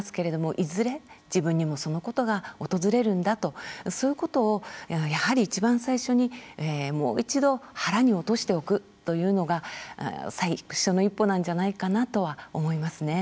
いずれ、自分にもそのことが訪れるんだとそういう事をやはりいちばん最初にもう一度腹に落としておくというのが最初の一歩なんじゃないかと思いますね。